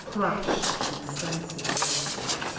Crash!—and his senses left him.